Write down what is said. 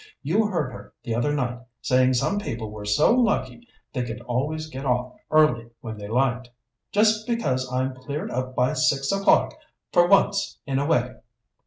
You heard her the other night saying some people were so lucky they could always get off early when they liked. Just because I'd cleared up by six o'clock, for once in a way!"